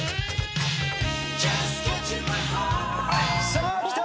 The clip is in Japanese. さあきた。